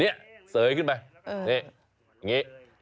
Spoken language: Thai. นี่เสยขึ้นไปนี่อย่างนี้